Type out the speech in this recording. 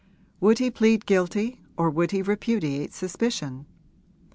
Would he plead guilty or would he repudiate suspicion?